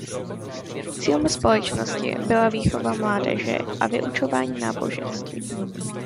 Cílem společnosti byla výchova mládeže a vyučování náboženství.